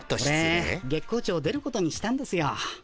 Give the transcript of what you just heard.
オレ月光町を出ることにしたんですよ。